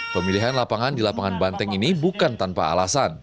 pemilihan lapangan di lapangan banteng ini bukan tanpa alasan